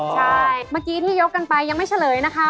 ใช่เมื่อกี้ที่ยกกันไปยังไม่เฉลยนะคะ